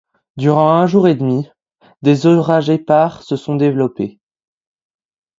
Durant un jour et demi, des orages épars se sont développés.